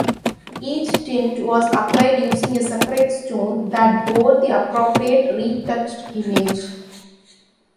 Each tint was applied using a separate stone that bore the appropriate retouched image.